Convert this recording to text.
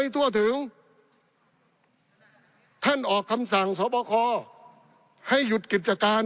ทั่วถึงท่านออกคำสั่งสอบคอให้หยุดกิจการ